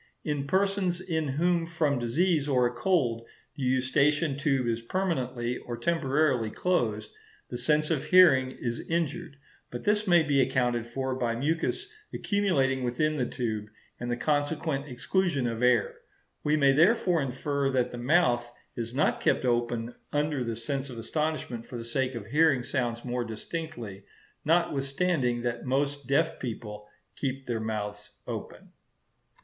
In persons in whom from disease or a cold the eustachian tube is permanently or temporarily closed, the sense of hearing is injured; but this may be accounted for by mucus accumulating within the tube, and the consequent exclusion of air. We may therefore infer that the mouth is not kept open under the sense of astonishment for the sake of hearing sounds more distinctly; notwithstanding that most deaf people keep their mouths open.